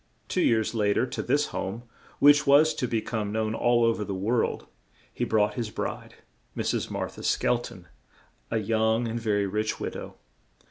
Two years lat er, to this home, which was to be come known all o ver the world, he brought his bride, Mrs. Mar tha Skel ton, a young and ve ry rich wid ow.